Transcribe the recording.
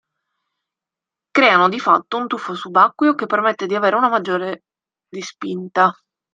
Creano di fatto un tuffo subacqueo che permette di avere una maggiore di spinta.